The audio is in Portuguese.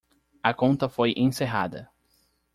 A conta foi encerrada.